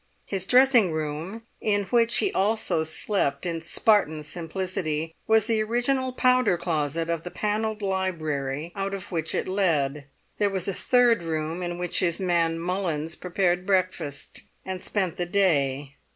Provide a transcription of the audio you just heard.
His dressing room, in which he also slept in Spartan simplicity, was the original powder closet of the panelled library out of which it led. There was a third room in which his man Mullins prepared breakfast and spent the day.